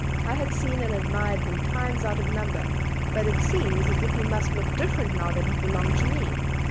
I had seen and admired him times out of number, but it seemed as if he must look different now that he belonged to me.